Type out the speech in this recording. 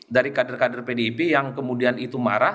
dari kader kader pdip yang kemudian itu marah